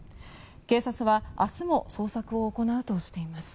警察は明日も捜索を行うとしています。